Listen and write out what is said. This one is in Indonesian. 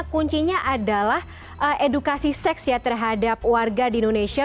kuncinya adalah edukasi seks ya terhadap warga di indonesia